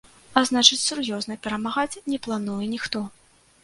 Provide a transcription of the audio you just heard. А значыць, сур'ёзна перамагаць не плануе ніхто.